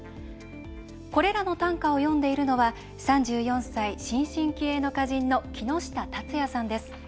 これらの短歌を詠んでいるのは３４歳、新進気鋭の歌人の木下龍也さんです。